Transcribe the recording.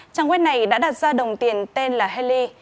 trang web này đã đặt ra đồng tiền tên là hê ly